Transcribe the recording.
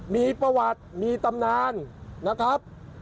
มีประวัติมีตำนานนะครับ